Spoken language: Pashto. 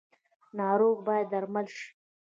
ناروغه باید درمل شي